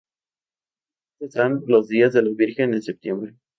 Además están los días de la Virgen en septiembre.